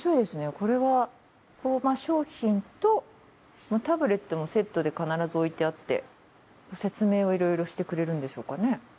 これは商品とタブレットのセットで必ず置いてあって説明をいろいろしてくれるんでしょうかね。